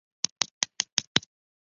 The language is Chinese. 义坛县是越南乂安省下辖的一个县。